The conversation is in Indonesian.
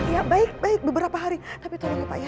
ya baik baik beberapa hari tapi tolonglah pak ya